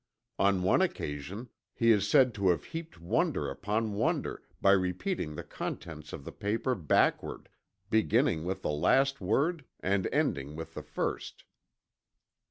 On one occasion he is said to have heaped wonder upon wonder, by repeating the contents of the paper backward, beginning with the last word and ending with the first.